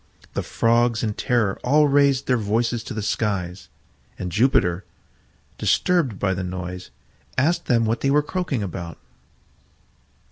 The Frogs in terror all raised their voices to the skies, and Jupiter, disturbed by the noise, asked them what they were croaking about.